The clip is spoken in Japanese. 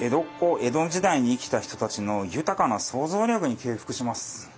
江戸時代に生きた人たちの豊かな想像力に敬服します。